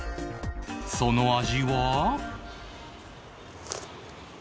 その味は